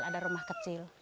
ada rumah kecil